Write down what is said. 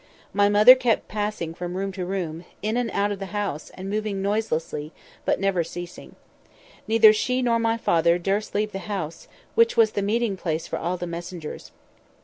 My mother kept passing from room to room, in and out of the house, moving noiselessly, but never ceasing. Neither she nor my father durst leave the house, which was the meeting place for all the messengers.